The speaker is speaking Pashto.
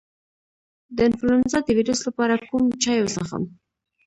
د انفلونزا د ویروس لپاره کوم چای وڅښم؟